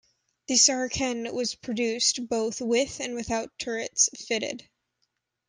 The Saracen was produced both with and without turrets fitted.